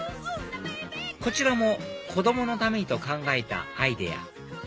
こちらも子供のためにと考えたアイデア